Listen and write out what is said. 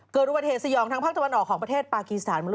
เกิดอุบัติเหตุสยองทางภาคตะวันออกของประเทศปากีสถาน